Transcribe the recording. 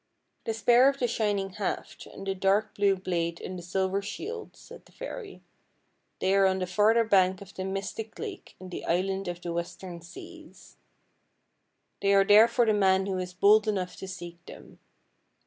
" The spear of the shining haft and the dark blue blade and the silver shield," said the fairy. " They are on the farther bank of the Mystic Lake in the Island of the Western Seas. They 158 FAIEY TALES are there for the man who is bold enough to seek them.